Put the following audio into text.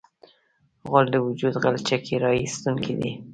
غول د وجود غلچکي راایستونکی دی.